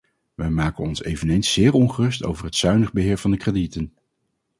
Wij maken ons eveneens zeer ongerust over het zuinig beheer van de kredieten.